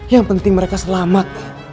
yang penting mereka selamat